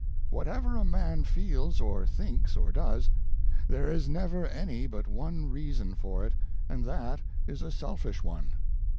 Whatever a man feels or thinks or does, there is never any but one reason for it — and that is a selfish one.